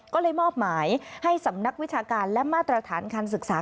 ก็เลยมอบหมายให้สำนักวิชาการและมาตรฐานการศึกษา